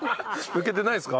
抜けてないですか？